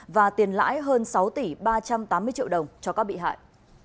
và tiền lãi hơn sáu tỷ ba trăm tám mươi triệu đồng cho các bị hại